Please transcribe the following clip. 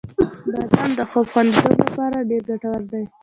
• بادام د خوب خوندیتوب لپاره ډېر ګټور دی.